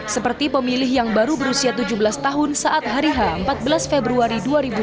seperti pemilih yang baru berusia tujuh belas tahun saat hari h empat belas februari dua ribu dua puluh